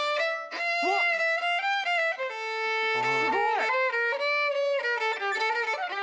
すごい！）